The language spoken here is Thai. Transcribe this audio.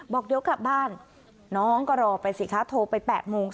บอกเดี๋ยวกลับบ้านน้องก็รอไปสิคะโทรไป๘โมง